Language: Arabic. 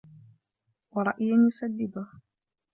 وَرَأْيٍ يُسَدِّدُهُ